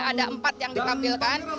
ada empat yang ditampilkan